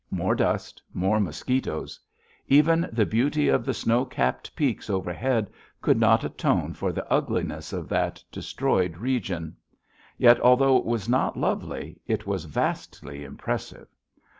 More dust, more mosquitoes. Even the beauty of the snow capped peaks overhead could not atone for the ugliness of that destroyed region. Yet, although it was not lovely, it was vastly impressive.